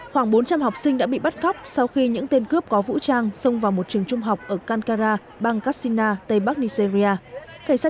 khoảng bốn trăm linh học sinh đã bị bắt cóc sau khi những tên cướp có vũ trang xông vào một trường trung học ở kankara bang kassina tây bắc nigeria